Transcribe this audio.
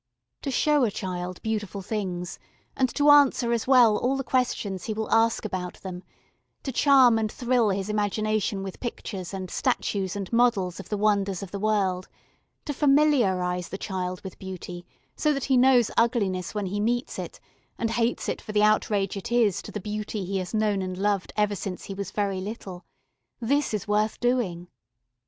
To show a child beautiful things, and to answer as well all the questions he will ask about them, to charm and thrill his imagination with pictures and statues and models of the wonders of the world, to familiarise the child with beauty, so that he knows ugliness when he meets it, and hates it for the outrage it is to the beauty he has known and loved ever since he was very little this is worth doing.